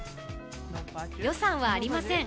予算はありません。